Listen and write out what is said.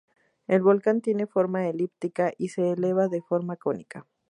El volcán tiene forma elíptica y se eleva de forma cónica.